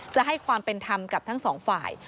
จะให้ความเป็นธรรมกับทั้งสองฝ่าย